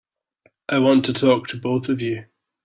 I want to talk to both of you.